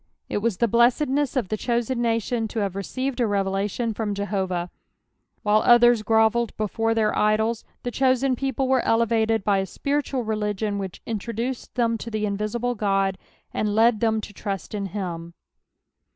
It was the blessedness of the chosen nation to have received a revelation from JehoTah. While others grovelled before their idols, the chosen people were elevated by a spiritual leligiou whieh introduced them to the inviMble God, and led them to trust in him.